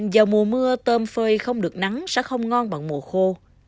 vào mùa mưa tôm phơi không được nắng sẽ không ngon bằng mùa khô